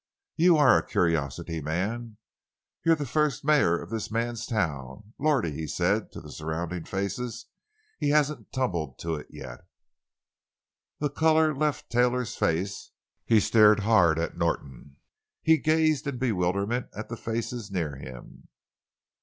"You are a curiosity, man. You're the first mayor of this man's town! Lordy," he said to the surrounding faces, "he hasn't tumbled to it yet!" The color left Taylor's face; he stared hard at Norton; he gazed in bewilderment at the faces near him.